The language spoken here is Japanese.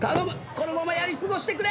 このままやり過ごしてくれ！